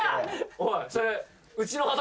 おいそれ